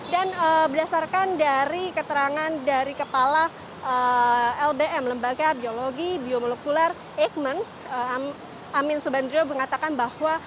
dan berdasarkan dari keterangan dari kepala lbm lembaga biologi biomolekuler eijkman amin subandrio mengatakan bahwa